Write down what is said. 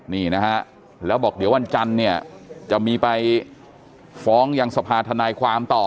นี่นะฮะแล้วบอกเดี๋ยววันจันทร์เนี่ยจะมีไปฟ้องยังสภาธนายความต่อ